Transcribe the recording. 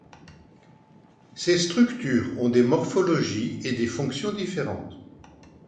Ces structures ont des morphologies et des fonctions différentes.